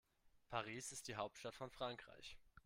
Paris ist die Hauptstadt von Frankreich.